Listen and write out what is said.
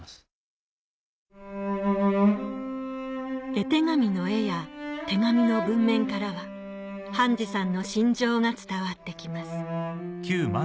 絵手紙の絵や手紙の文面からは半次さんの心情が伝わって来ます